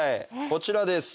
こちらです。